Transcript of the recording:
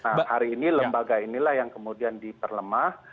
nah hari ini lembaga inilah yang kemudian diperlemah